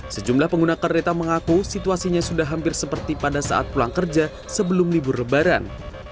sejumlah pengguna kereta mengaku situasinya sudah hampir seperti pada saat pulang kerja sebelum libur lebaran